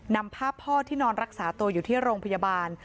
นำภาพพ่อที่นอนรักษาตัวอยู่ที่โรงพยาบาล